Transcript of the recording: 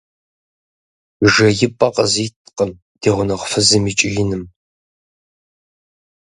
Жеипӏэ къызиткъым ди гъунэгъу фызым и кӏииным.